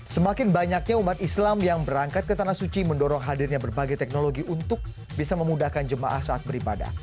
semakin banyaknya umat islam yang berangkat ke tanah suci mendorong hadirnya berbagai teknologi untuk bisa memudahkan jemaah saat beribadah